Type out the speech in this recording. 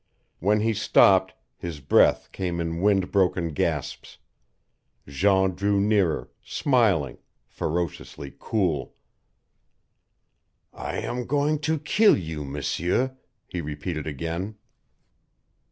When he stopped, his breath came in wind broken gasps. Jean drew nearer, smiling, ferociously cool. "I am going to kill you, M'seur," he repeated again.